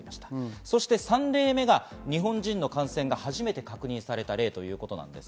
３例目が日本人の感染が初めて確認された例です。